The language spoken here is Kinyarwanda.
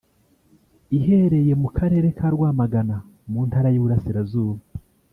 ihereye mu karere ka Rwamagana mu ntara y’iburasirazuba